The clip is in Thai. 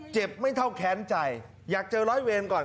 ไม่เท่าแค้นใจอยากเจอร้อยเวรก่อน